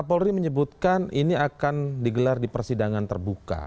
pak polri menyebutkan ini akan digelar di persidangan terbuka